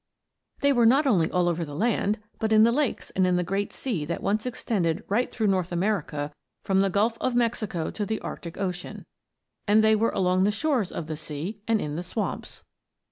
They were not only all over the land, but in the lakes and in the great sea that once extended right through North America from the Gulf of Mexico to the Arctic Ocean. And they were along the shores of the sea and in the swamps.